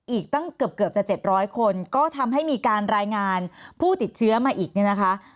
อีกตั้งเกือบจะ๗๐๐คนก็ทำให้มีการรายงานผู้ติดเชื้อมาอีกเนี่ยนะคะ